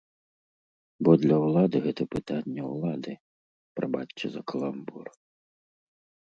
Бо для ўлады гэта пытанне ўлады, прабачце за каламбур.